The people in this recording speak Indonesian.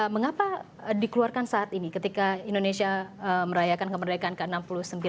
mengapa dikeluarkan saat ini ketika indonesia merayakan kemerdekaan ke enam puluh sembilan